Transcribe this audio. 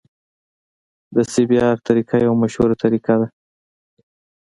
د سی بي ار طریقه یوه مشهوره طریقه ده